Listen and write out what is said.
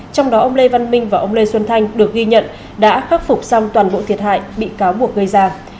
trong đó ông lê văn minh và ông lê xuân thanh được ghi nhận đã khắc phục xong toàn bộ thiệt hại bị cáo buộc gây ra